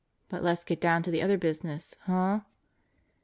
But let's get down to the other business, huh?"